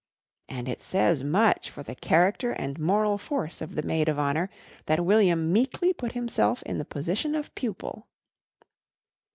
And it says much for the character and moral force of the maid of honour that William meekly put himself in the position of pupil.